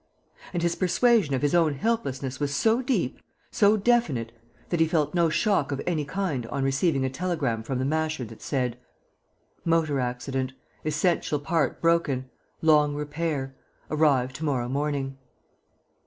And his persuasion of his own helplessness was so deep, so definite that he felt no shock of any kind on receiving a telegram from the Masher that said: "Motor accident. Essential part broken. Long repair. Arrive to morrow morning."